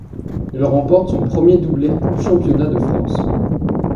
Il remporte son premier doublé Coupe-championnat de France.